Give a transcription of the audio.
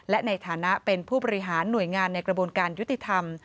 และในฐานะเป็นผู้บริหารหน่วยงานในกระบวนการยุติธรรม